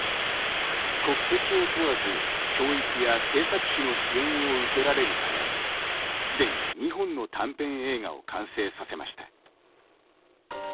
国籍を問わず、教育や製作費の支援を受けられるためすでに２本の短編映画を完成させました。